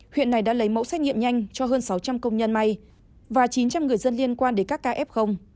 huyện này đã lấy mẫu xét nghiệm nhanh cho hơn sáu trăm linh công nhân may và chín trăm linh người dân liên quan đến các ca f